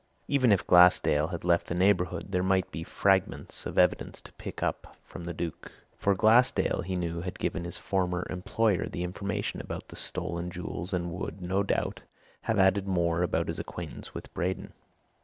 Even if Glassdale had left the neighbourhood, there might be fragments of evidence to pick up from the Duke, for Glassdale, he knew, had given his former employer the information about the stolen jewels and would, no doubt, have added more about his acquaintance with Braden.